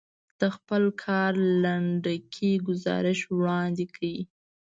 د خپل کار لنډکی ګزارش وړاندې کړ.